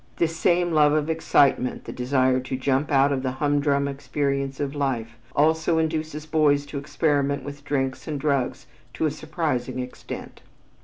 This same love of excitement, the desire to jump out of the humdrum experience of life, also induces boys to experiment with drinks and drugs to a surprising extent.